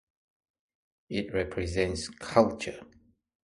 It represents Culture.